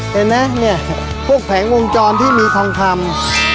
เห็นไหมเนี่ยพวกแผงวงจรที่มีทองคำ